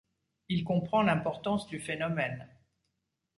Il comprend l'importance du phénomène.